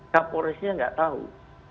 kapolresnya gak tahu